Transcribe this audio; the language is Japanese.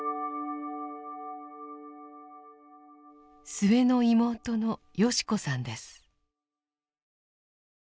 末の妹の良子さんです。